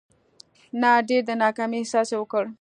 نه ډېر د ناکامي احساس وکړو.